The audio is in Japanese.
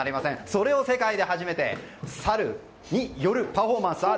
それの世界で初めてサルによるパフォーマンスです。